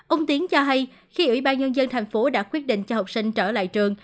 ông tiến cho hay khi ủy ban nhân dân thành phố đã quyết định cho học sinh trở lại trường